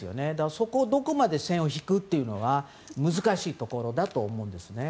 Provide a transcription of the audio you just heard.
そこをどこまで線を引くというのが難しいところだと思うんですね。